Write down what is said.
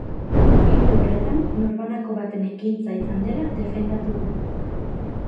Ildo horretan, norbanako baten ekintza izan dela defendatu du.